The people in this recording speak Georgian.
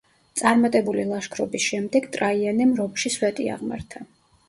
წარმატებული ლაშქრობის შემდეგ ტრაიანემ რომში სვეტი აღმართა.